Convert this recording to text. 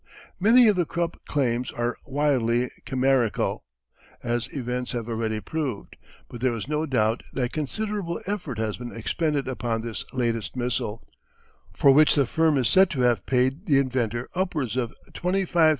Many of the Krupp claims are wildly chimerical, as events have already proved, but there is no doubt that considerable effort has been expended upon this latest missile, for which the firm is said to have paid the inventor upwards of L25,000 $125,000.